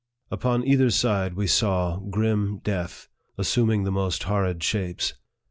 Upon either side we saw grim death, assuming the most horrid shapes.